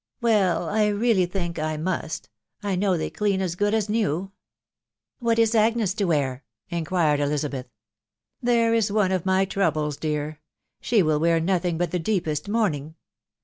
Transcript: " Well, I realty think J nmt ... I kxmw thaf /ckoa as good as new. "What is Agnes to «wear ?" inquired Etiaabeth. " There is one of my troubles, my dear; she *£U wear nothing but the deepest mounting.